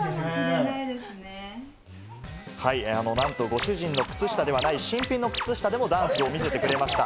なんとご主人の靴下ではない新品の靴下でもダンスを見せてくれました。